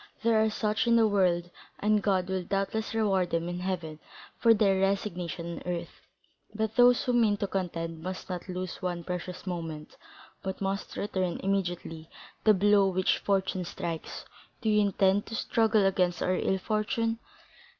There are such in the world, and God will doubtless reward them in heaven for their resignation on earth, but those who mean to contend must not lose one precious moment, but must return immediately the blow which fortune strikes. Do you intend to struggle against our ill fortune?